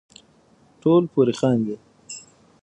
ټول پر خاندي .